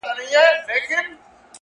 هره هڅه د سبا بنسټ ږدي.